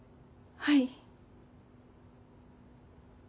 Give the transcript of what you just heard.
はい。